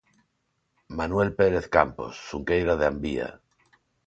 Manuel Pérez Campos, Xunqueira de Ambía.